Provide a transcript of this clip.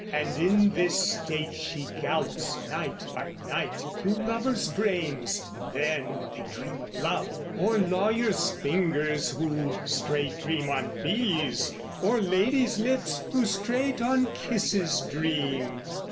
And in this state she gallops night by night Through lovers' brains, and then they dream of love; O'er lawyers' fingers, who straight dream on fees, O'er ladies' lips, who straight on kisses dream.